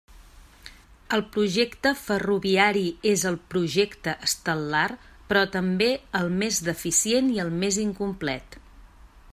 El projecte ferroviari és el projecte estel·lar, però també el més deficient i el més incomplet.